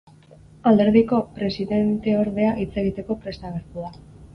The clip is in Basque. Alderdiko presidenteordea hitz egiteko prest agertu da.